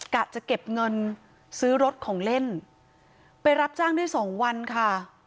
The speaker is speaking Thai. กะจะเก็บเงินซื้อรถของเล่นไปรับจ้างได้สองวันค่ะ